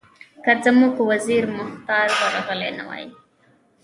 که زموږ وزیر مختار ورغلی نه وای.